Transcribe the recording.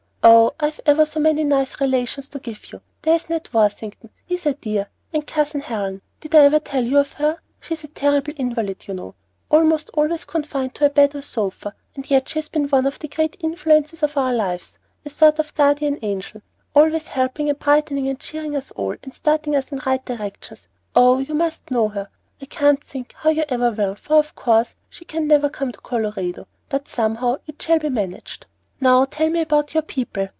Oh, I've ever so many nice relations to give you. There's Ned Worthington; he's a dear, and Cousin Helen. Did I ever tell you about her? She's a terrible invalid, you know, almost always confined to her bed or sofa, and yet she has been one of the great influences of our lives, a sort of guardian angel, always helping and brightening and cheering us all, and starting us in right directions. Oh, you must know her. I can't think how you ever will, for of course she can never come to Colorado; but somehow it shall be managed. Now tell me about your people.